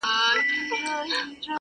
دوه شعرونه لیدلي دي -